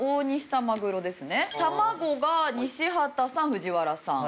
タマゴが西畑さん藤原さん。